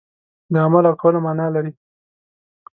د عمل او کولو معنا لري.